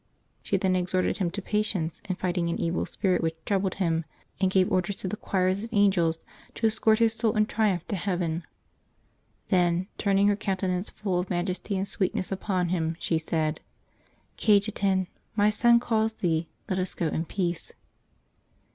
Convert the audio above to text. She then exliorted him to patience in fighting an evil spirit who troubled him, and gave ordei*s to the August 8] LIVES OF THE SAINTS 275 choirs of angels to escort his soul in triumph to heaven. Then, turning her countenance full of majesty and sweet ness upon him, she said, " Cajetan, my Son calls thee. Let us go in peace."